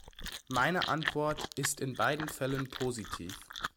Meine Antwort ist in beiden Fällen positiv.